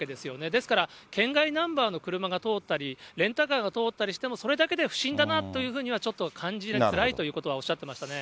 ですから、県外ナンバーの車が通ったり、レンタカーが通ったりするだけでも、それだけで不審だなというふうには、ちょっと感じづらいということはおっしゃってましたね。